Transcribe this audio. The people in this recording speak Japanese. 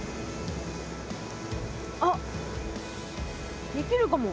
あっできるかも。